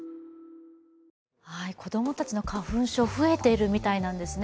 子供たちの花粉症増えているみたいなんですね。